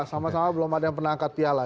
sama sama belum ada yang pernah angkat piala